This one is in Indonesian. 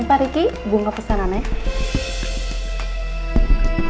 pak riki gue ngepesen namanya